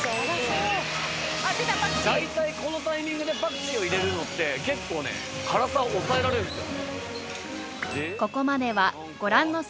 大体このタイミングでパクチーを入れるのって結構辛さを抑えられるんすよ。